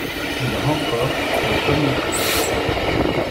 Il remporte le premier prix.